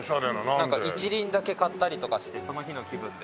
なんか１輪だけ買ったりとかしてその日の気分で。